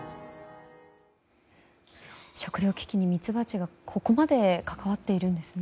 食料危機にミツバチがここまで関わっているんですね。